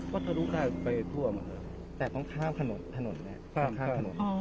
ก็ทะลุได้ไปทั่วหมดเลยแต่ต้องข้ามถนนถนนแหละข้ามข้ามถนน